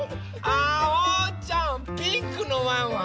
あおうちゃんピンクのワンワン？